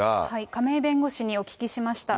亀井弁護士にお聞きしました。